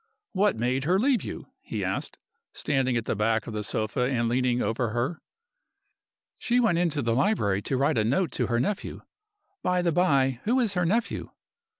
"What made her leave you?" he asked, standing at the back of the sofa and leaning over her. "She went into the library to write a note to her nephew. By the by, who is her nephew?"